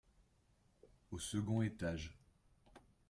Au second étage.